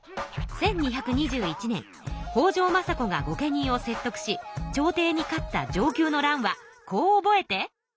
１２２１年北条政子が御家人を説得し朝廷に勝った承久の乱はこう覚えて！